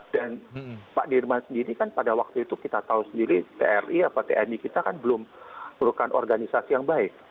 dan pak dirman sendiri kan pada waktu itu kita tahu sendiri tri atau tni kita kan belum merupakan organisasi yang baik